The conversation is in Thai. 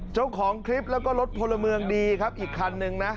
เจ้าของคลิปแล้วก็รถพลเมืองดีครับอีกคันนึงนะ